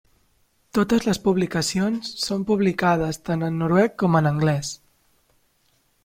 Totes les publicacions són publicades tant en noruec com en anglès.